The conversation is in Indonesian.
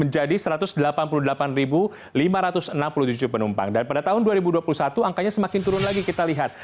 jadi kita lihat